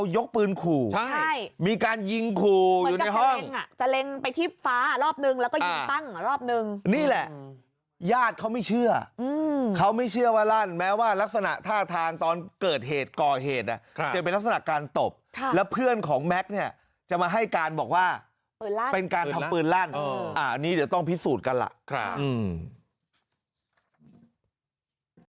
ญาติเขาไม่เชื่ออืมเขาไม่เชื่อว่ารั่นแม้ว่ารักษณะท่าทางตอนเกิดเหตุกรเหตุอ่ะครับจะเป็นลักษณะการตบค่ะแล้วเพื่อนของแม็กเนี้ยจะมาให้การบอกว่าเป็นการทำปืนลั่นอ่ออันนี้เดี๋ยวต้องพิสูจน์กันล่ะครับอืม